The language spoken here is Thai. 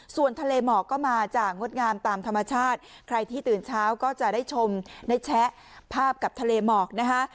ส่วนทะเลหมอกก็มาจากงดงามตามธรรมชาติใครที่ตื่นเช้าก็จะได้ชมได้แชะภาพกับทะเลหมอกนะคะ